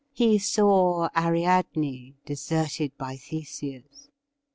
He saw Ariadne deserted by Theseus.